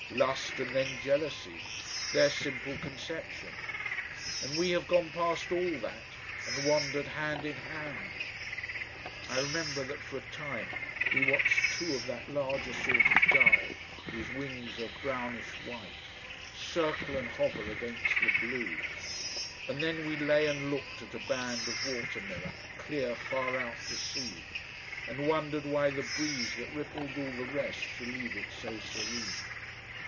"Lust and then jealousy; their simple conception and we have gone past all that and wandered hand in hand...." I remember that for a time we watched two of that larger sort of gull, whose wings are brownish white, circle and hover against the blue. And then we lay and looked at a band of water mirror clear far out to sea, and wondered why the breeze that rippled all the rest should leave it so serene.